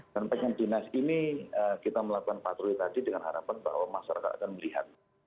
dan bagian dinas ini kita melakukan patroli tadi dengan harapan bahwa masyarakat akan melihat